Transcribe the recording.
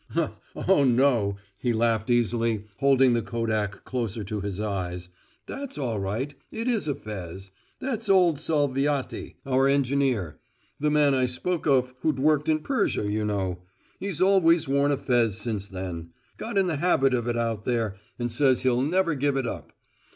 Oh, no," he laughed easily, holding the kodak closer to his eyes; "that's all right: it is a fez. That's old Salviati, our engineer, the man I spoke of who'd worked in Persia, you know; he's always worn a fez since then. Got in the habit of it out there and says he'll never give it up.